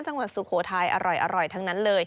จังหวัดสุโขทัยอร่อยทั้งนั้นเลย